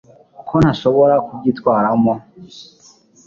ko nshobora kubyitwaramo